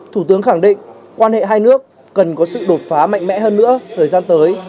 thủ tướng khẳng định quan hệ hai nước cần có sự đột phá mạnh mẽ hơn nữa thời gian tới